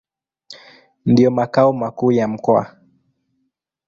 Ndio makao makuu ya mkoa.